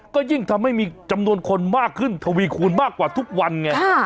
ก็ยิ่งทำให้มีจำนวนคนมากขึ้นทวีคูณมากกว่าทุกวันไง